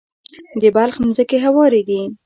د بلخ ځمکې هوارې دي